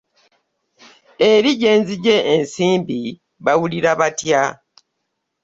Eri gye nzigye ensimbi bawulira batya?